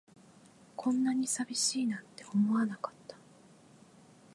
こんなに寂しいなんて思わなかった